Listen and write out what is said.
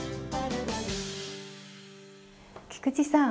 菊池さん